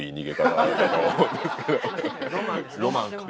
ロマンか。